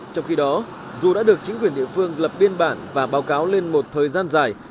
trong khi đó dù đã được chính quyền địa phương lập biên bản và báo cáo lên một thời gian dài